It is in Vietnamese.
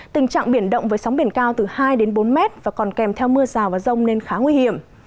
tình trạng biển động với sóng biển cao từ hai đến bốn mét và còn kèm theo mưa rào và rông nên khá nguy hiểm